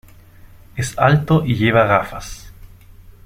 Es alto y lleva gafas.